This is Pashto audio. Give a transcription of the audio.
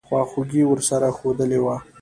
خواخوږي ورسره ښودلې وه.